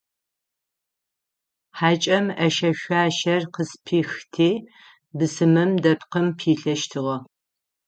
Хьакӏэм ӏэшэ-шъуашэр къызпихти, бысымым дэпкъым пилъэщтыгъэ.